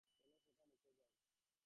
চলো সেটা নিতে যাই।